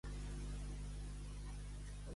Embrutar el credo.